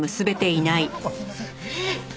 すいません。